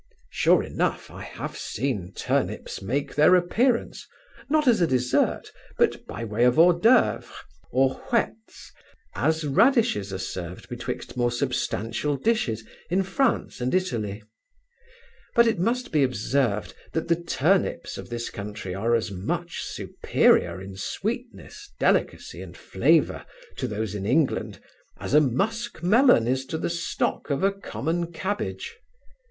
Sure enough, I have seen turnips make their appearance, not as a desert, but by way of hors d'oeuvres, or whets, as radishes are served betwixt more substantial dishes in France and Italy; but it must be observed, that the turnips of this country are as much superior in sweetness, delicacy, and flavour, to those in England, as a musk melon is to the stock of a common cabbage.